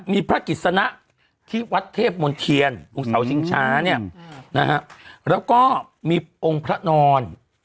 มีพระกิจสนะที่วัดเทพหมวนเทียนอุสสาวชิงช้าเนี่ยแล้วก็มีโองพระนอน